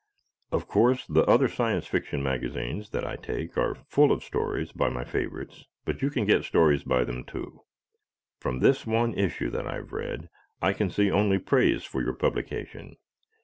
Of course, the other Science Fiction magazines that I take are full of stories by my favorites, but you can get stories by them too. From this one issue that I have read I can see only praise for your publication.